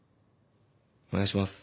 お願いします。